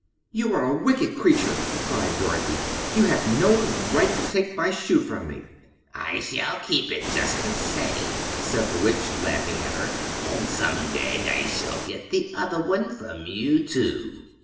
"You are a wicked creature!" cried Dorothy. "You have no right to take my shoe from me." "I shall keep it, just the same," said the Witch, laughing at her, "and someday I shall get the other one from you, too."